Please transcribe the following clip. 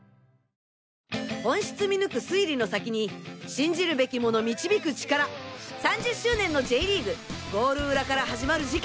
本質見抜く推理の先に信じるべきもの導く力３０周年のＪリーグゴール裏から始まる事件